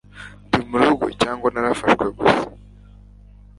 ndi murugo cyangwa narafashwe gusa